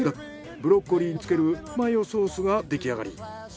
ブロッコリーにつける梅マヨソースが出来上がり。